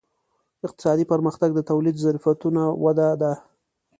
اقتصادي پرمختګ د تولیدي ظرفیتونو وده ده.